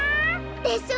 でしょ！